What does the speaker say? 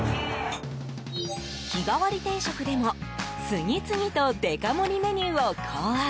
日替わり定食でも次々とデカ盛りメニューを考案。